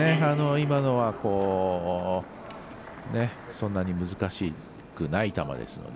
今のは、そんなに難しくない球ですので。